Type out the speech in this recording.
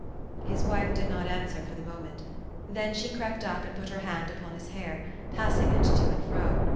His wife did not answer for the moment ; then she crept up, and put her hand upon his hair, passing it to and fro.